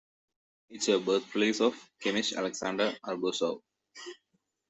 It is a birthplace of chemist Alexander Arbuzov.